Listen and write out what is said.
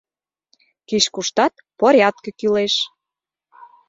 Кеч-куштат порядке кӱлеш.